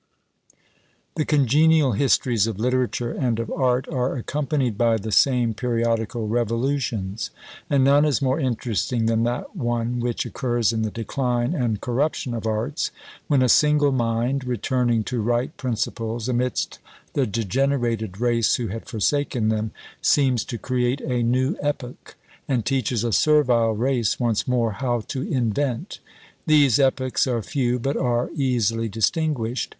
The congenial histories of literature and of art are accompanied by the same periodical revolutions; and none is more interesting than that one which occurs in the decline and corruption of arts, when a single mind returning to right principles, amidst the degenerated race who had forsaken them, seems to create a new epoch, and teaches a servile race once more how to invent! These epochs are few, but are easily distinguished.